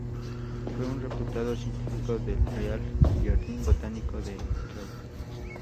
Fue un reputado científico del Real Jardín Botánico de Kew.